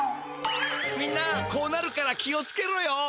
みんなこうなるから気をつけろよ。